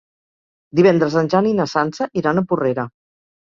Divendres en Jan i na Sança iran a Porrera.